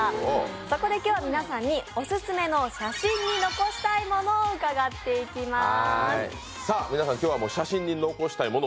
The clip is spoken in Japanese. そこで今日は皆さんにオススメの写真に残したいものを伺っていきます。